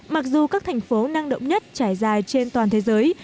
mặc dù các thành phố năng động nhất trải dài trên toàn thế giới